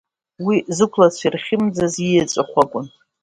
Уи зықәлацәа ирхьымӡаз иеҵәахә акәын.